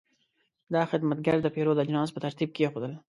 دا خدمتګر د پیرود اجناس په ترتیب کېښودل.